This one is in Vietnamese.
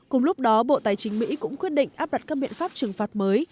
cùng lúc đó bộ tài chính mỹ cũng quyết định áp đặt các biện pháp trừng phạt mới